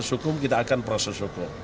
proses hukum kita akan proses hukum